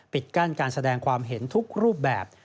กั้นการแสดงความเห็นทุกรูปแบบ